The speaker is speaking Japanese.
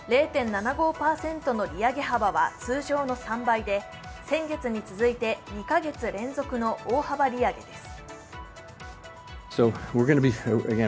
０．７５％の利上げ幅は通常の３倍で先月に続いて２カ月連続の大幅利上げです。